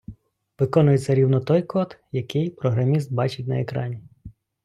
Виконується рівно той код, який програміст бачить на екрані.